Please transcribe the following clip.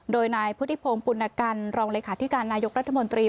โดยนายพุทธิพงศ์ปุณกันรองเลขาธิการนายกรัฐมนตรี